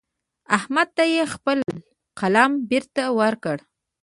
احمد ته يې خپل قلم بېرته ورکړ.